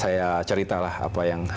saya cerita lah apa yang